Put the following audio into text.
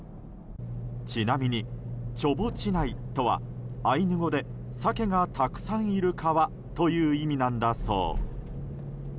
ちなみにチョボチナイとはアイヌ語でサケがたくさんいる川という意味なんだそう。